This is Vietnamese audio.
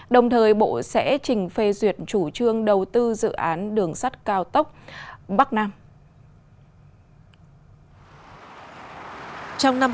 đồng thời bộ sẽ trình phê duyệt chủ trương đầu tư dự án đường sắt cao tốc bắc nam